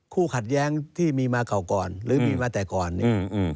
คู่ขัดแย้งที่มีมาเก่าก่อนหรือมีมาแต่ก่อนเนี่ย